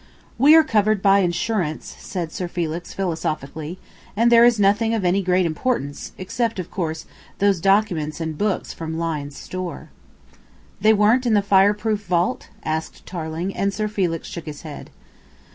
"We are covered by insurance," said Sir Felix philosophically, "and there is nothing of any great importance, except, of course, those documents and books from Lyne's Store." "They weren't in the fire proof vault?" asked Tarling, and Sir Felix shook his head.